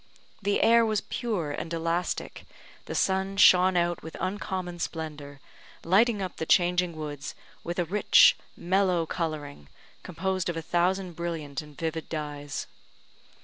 The air was pure and elastic, the sun shone out with uncommon splendour, lighting up the changing woods with a rich mellow colouring, composed of a thousand brilliant and vivid dyes.